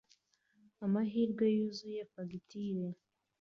"AMAHIRWE" yuzuye fagitire